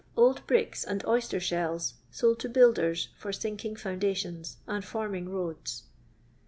Old bricks and oyster shells, sold to builders, for sinking foundations, and forming roads.